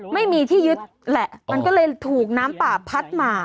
ไม่มีที่ยึดแหละมันก็เลยถูกน้ำป่าพัดมา